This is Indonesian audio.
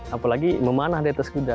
apalagi memanah di atas kuda